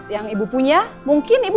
yang ibu punya mungkin ibu